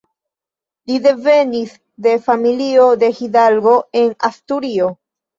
Li devenis el familio de hidalgo el Asturio.